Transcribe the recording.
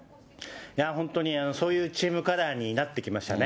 いやー、本当にそういうチームカラーになってきましたね。